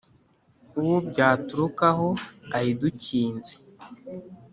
Uwo byaturukaho ayidukinze,